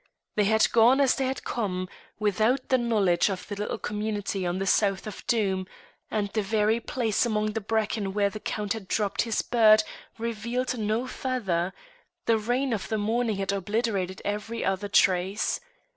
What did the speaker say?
They had gone as they had come, without the knowledge of the little community on the south of Doom, and the very place among the bracken where the Count had dropped his bird revealed no feather; the rain of the morning had obliterated every other trace.